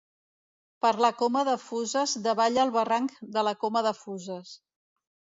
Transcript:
Per la Coma de Fuses davalla el barranc de la Coma de Fuses.